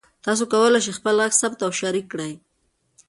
تاسي کولای شئ خپل غږ ثبت او شریک کړئ.